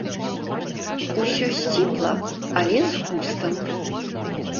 Усё сціпла, але з густам.